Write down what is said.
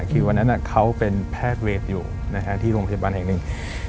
คือวันนั้นเขาเป็นแพทย์เวทอยู่ที่โรงพยาบาลแห่งหนึ่ง